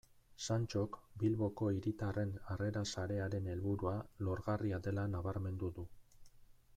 Santxok Bilboko Hiritarren Harrera Sarearen helburua lorgarria dela nabarmendu du.